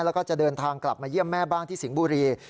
แล้วก็จะเดินทางกลับมาเยี่ยมแม่บ้างที่สิงห์บุรี